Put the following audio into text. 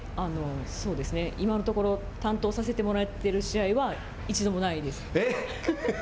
今のところ担当させてもらってる試合は一度もないです。